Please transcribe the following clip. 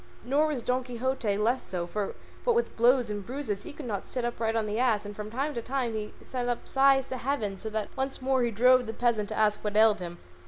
Nor was Don Quixote less so, for what with blows and bruises he could not sit upright on the ass, and from time to time he sent up sighs to heaven, so that once more he drove the peasant to ask what ailed him.